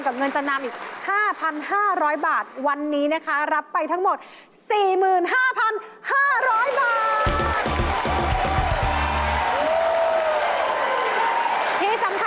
ขอบคุณยังสวัสดีนะขอบคุณกับคุณสงสร้างเถอะ